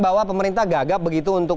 bahwa pemerintah gagap begitu untuk